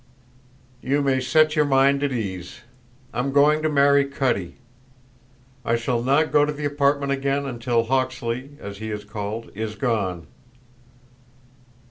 "You may set your mind at ease. I'm going to marry Cutty. I shall not go to the apartment again until Hawksley, as he is called, is gone."